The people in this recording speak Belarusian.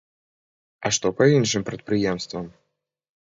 А што па іншым прадпрыемствам?